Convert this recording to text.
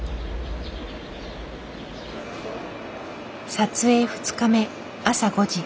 撮影２日目朝５時。